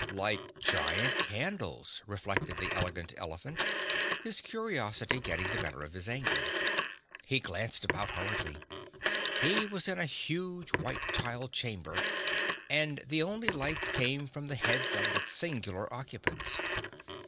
"Like giant candles," reflected the Elegant Elephant, his curiosity getting the better of his anger. He glanced about hurriedly. He was in a huge white tiled chamber and the only lights came from the heads of its singular occupants.